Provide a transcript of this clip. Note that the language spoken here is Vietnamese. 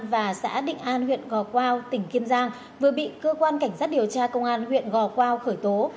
và xã định an huyện gò quao tỉnh kiên giang vừa bị cơ quan cảnh sát điều tra công an huyện gò quao khởi tố